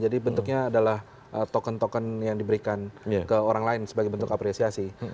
jadi bentuknya adalah token token yang diberikan ke orang lain sebagai bentuk apresiasi